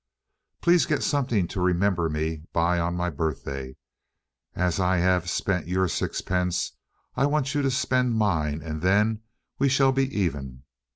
"Please get something to remember me by on my birthday. As I have spent your sixpence, I want you to spend mine, and then we shall be even.